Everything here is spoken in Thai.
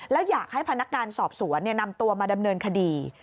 แล้วอยากให้พนักงานสอบสวนนำตัวมาดำเนินคดี